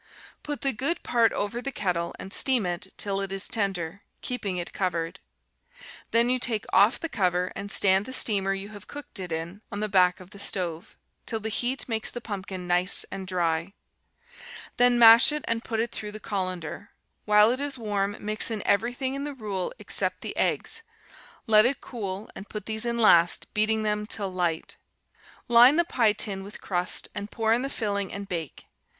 Put the good part over the kettle and steam it till it is tender, keeping it covered. Then you take off the cover, and stand the steamer you have cooked it in on the back of the stove, till the heat makes the pumpkin nice and dry. Then mash it and put it through the colander. While it is warm, mix in everything in the rule except the eggs; let it cool, and put these in last, beating them till light. Line the pie tin with crust, and pour in the filling and bake.